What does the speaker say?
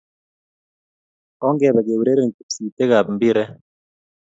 ongebe keureren kipsitiekab mpire